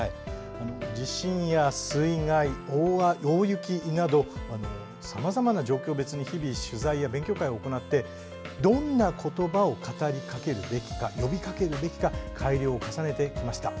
地震や水害、大雪などさまざまな状況別に日々、取材や勉強会を行ってどんな言葉を語りかけるべきか呼びかけるべきか改良を重ねてきました。